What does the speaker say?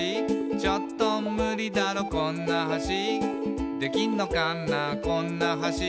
「ちょっとムリだろこんな橋」「できんのかなこんな橋」